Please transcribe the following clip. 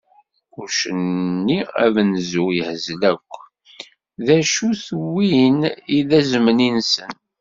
Uccen-nni amenzu yehzel akk, d acu d win i d azemni-nsen.